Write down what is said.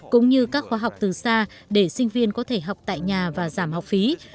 cũng như các khóa học từ xa để sinh viên có thể học tại nhà và giảm học phí